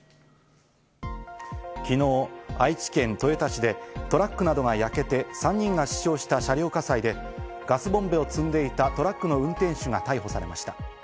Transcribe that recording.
昨日、愛知県豊田市でトラックなどが焼けて３人が死傷した車両火災でガスボンベを積んでいたトラックの運転手が逮捕されました。